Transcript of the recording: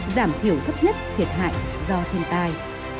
giảm thiểu gấp nhất thiệt hại do thiên tai